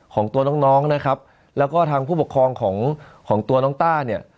ของตัวน้องน้องนะครับแล้วก็ทางผู้ปกครองของของตัวน้องต้าเนี่ย